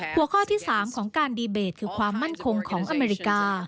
หัวข้อที่๓ของการดีเบตคือความมั่นคงของอเมริกา